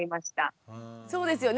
そうですよね。